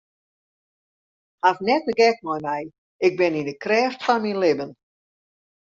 Haw net de gek mei my, ik bin yn de krêft fan myn libben.